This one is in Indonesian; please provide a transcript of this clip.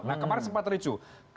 nah kemarin sempat tericu